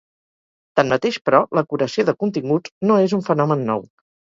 Tanmateix, però, la curació de continguts no és un fenomen nou.